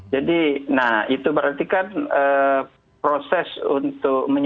jadi nah itu berarti kan proses untuk